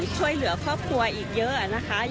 ช่วยเหลือครอบครัวอีกเยอะนะคะ